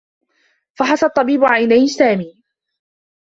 فحص الطّبيب عيني سامي.